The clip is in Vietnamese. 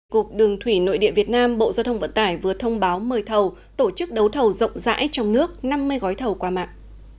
cục đường thủy nội địa việt nam bộ giao thông vận tải vừa thông báo mời thầu tổ chức đấu thầu rộng rãi trong nước năm mươi gói thầu qua mạng